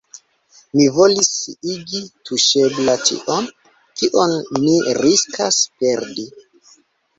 Mi volis igi tuŝebla tion, kion ni riskas perdi.